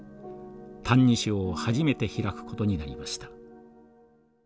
「歎異抄」を初めて開くことになりました。